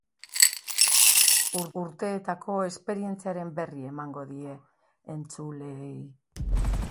Urteetako esperientziaren berri emango die entzuleei.